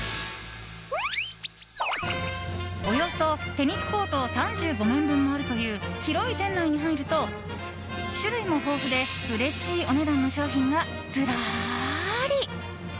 およそテニスコート３５面分もあるという広い店内に入ると種類も豊富でうれしいお値段の商品がずらり。